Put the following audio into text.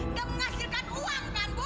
untuk menghasilkan uang kan bu